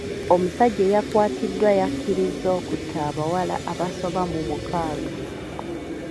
Omusajja eyakwatiddwa yakkirizza okutta abawala abasoba mu mukaaga.